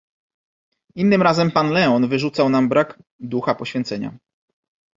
"Innym razem pan Leon wyrzucał nam brak ducha poświęcenia."